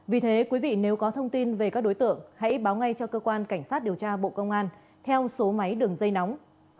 vì thế quý vị nếu có thông tin về các đối tượng hãy báo ngay cho cơ quan cảnh sát điều tra bộ công an theo số máy đường dây nóng sáu mươi chín hai trăm ba mươi bốn năm nghìn tám trăm sáu mươi